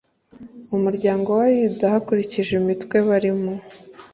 umuryango wa yuda hakurikijwe imitwe barimo